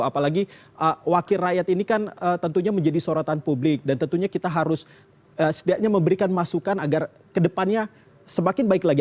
apalagi wakil rakyat ini kan tentunya menjadi sorotan publik dan tentunya kita harus setidaknya memberikan masukan agar kedepannya semakin baik lagi